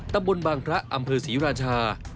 ตำบลบางพระอำเภอศรีราชา